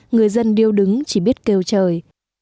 người dân điêu đứng chỉ biết kêu trời